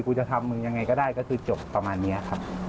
กูจะทำมึงยังไงก็ได้ก็คือจบประมาณนี้ครับ